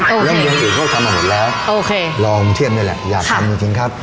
แล้วเมืองอื่นเขาทำมาหมดแล้วโอเคลองเทียบนี่แหละอยากทำจริงจริงครับ